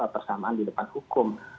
persamaan di depan hukum